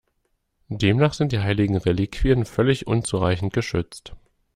Demnach sind die heiligen Reliquien völlig unzureichend geschützt.